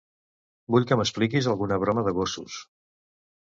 Vull que m'expliquis alguna broma de gossos.